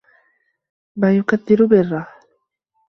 مَا يُكَدِّرُ بِرَّهُ